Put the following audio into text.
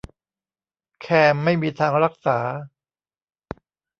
แคร์ไม่มีทางรักษา